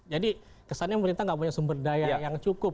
jadi kesannya pemerintah tidak punya sumber daya yang cukup